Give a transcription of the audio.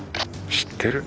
知ってる？